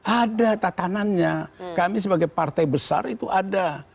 ada tatanannya kami sebagai partai besar itu ada